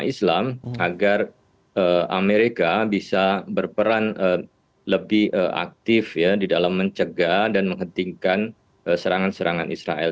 islam agar amerika bisa berperan lebih aktif ya di dalam mencegah dan menghentikan serangan serangan israel